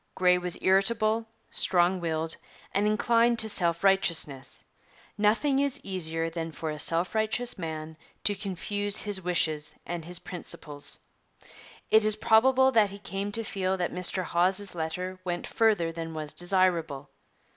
Grey was irritable, strong willed, and inclined to self righteousness. Nothing is easier than for a self righteous man to confuse his wishes and his principles. It is probable that he came to feel that Mr Hawes's letter went further than was desirable.